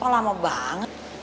kok lama banget